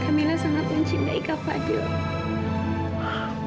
kak mila sangat mencintai kak fadiyah